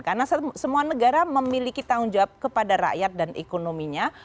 karena semua negara memiliki tanggung jawab kepada rakyat dan ekonominya